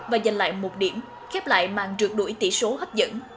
và giành lại một điểm khép lại màn trượt đuổi tỷ số hấp dẫn